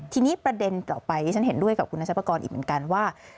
ทีนี้ประเด็นต่อไปที่ฉันเห็นด้วยกับคุณนัชปกรณ์อีกเหมือนกันว่า